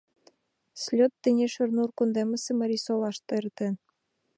— Слёт тений Шернур кундемысе Марисолаште эртен.